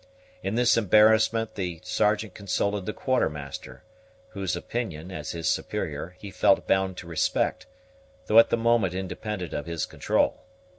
In this embarrassment the Sergeant consulted the Quartermaster, whose opinion, as his superior, he felt bound to respect, though at the moment independent of his control.